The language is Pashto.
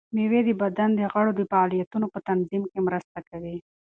مېوې د بدن د غړو د فعالیتونو په تنظیم کې مرسته کوي.